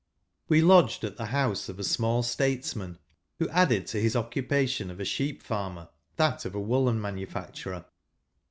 We lodged at the house of a small Statesman, who added to his occupation of a sheep farmer that of a woollen manufacturer.